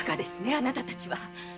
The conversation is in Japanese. あなたたちは。